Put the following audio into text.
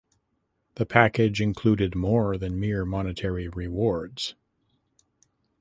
The package included more than mere monetary rewards.